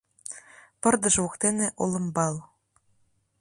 Пырдыж воктене олымбал.